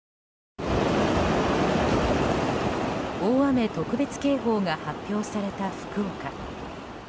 大雨特別警報が発表された福岡。